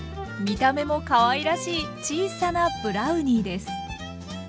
見た目もかわいらしい小さなブラウニーです。